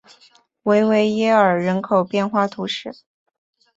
维维耶尔人口变化图示